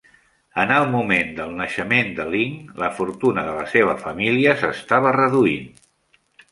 En el moment del naixement de Ling, la fortuna de la seva família s'estava reduint.